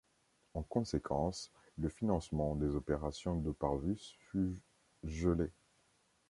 En conséquence, le financement des opérations de Parvus fut gelé.